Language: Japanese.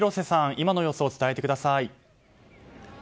今の様子を伝えてください。